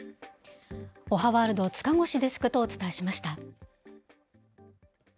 おはワールド、塚越デスクとお伝えしました。